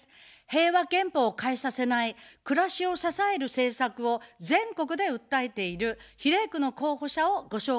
平和憲法を変えさせない、暮らしを支える政策を全国で訴えている比例区の候補者をご紹介いたします。